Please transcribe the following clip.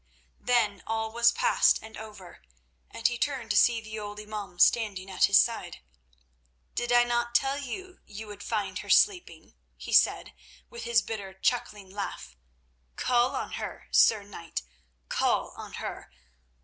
Then all was past and over, and he turned to see the old imaum standing at his side. "Did I not tell you that you would find her sleeping?" he said, with his bitter, chuckling laugh. "Call on her, Sir Knight; call on her!